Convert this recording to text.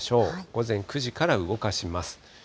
午前９時から動かします。